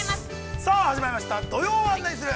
さあ始まりました、「土曜はナニする！？」。